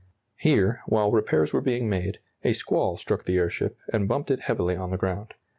Here, while repairs were being made, a squall struck the airship and bumped it heavily on the ground.